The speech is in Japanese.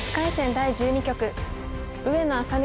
第１２局上野愛咲美